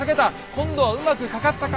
今度はうまく掛かったか。